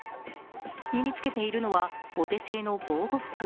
身につけているのは、お手製の防護服。